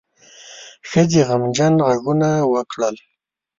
ښځې غمجنه غږونه وکړل.